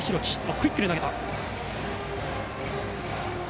クイックで投げてきた。